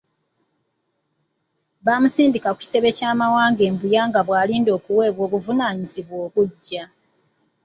Bamusindika ku kitebe ky’amagye e Mbuya nga bw’alinda okuweebwa obuvunaanyizibwa obuggya.